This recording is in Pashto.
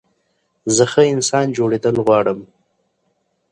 زه ښه انسان جوړېدل غواړم.